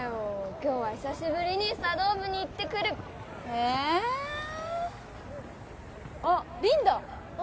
今日は久しぶりに茶道部に行ってくるえあっ凛だあ